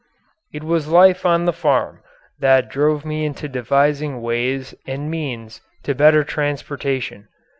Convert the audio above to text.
It was life on the farm that drove me into devising ways and means to better transportation.